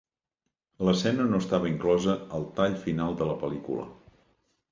L'escena no estava inclosa al tall final de la pel·lícula.